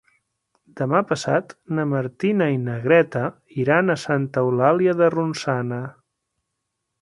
Demà passat na Martina i na Greta iran a Santa Eulàlia de Ronçana.